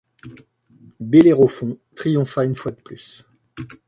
Bellérophon triompha une fois de plus.